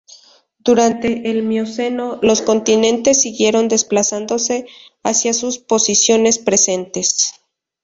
Durante el Mioceno, los continentes siguieron desplazándose hacia sus posiciones presentes.